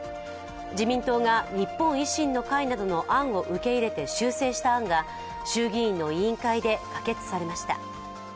自民党が日本維新の会などの案を受け入れて修正した案が衆議院の委員会で可決されました。